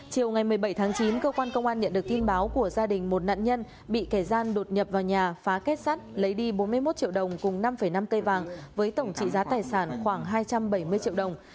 chiều ngày một mươi bảy tháng chín cơ quan công an nhận được tin báo của gia đình một nạn nhân bị kẻ gian đột nhập vào nhà phá kết sắt lấy đi bốn mươi một triệu đồng cùng năm năm cây vàng với tổng trị giá tài sản khoảng hai trăm bảy mươi triệu đồng